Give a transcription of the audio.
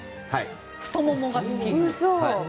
太ももが好き。